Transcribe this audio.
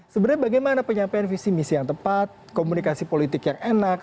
sebenarnya bagaimana penyampaian visi misi yang tepat komunikasi politik yang enak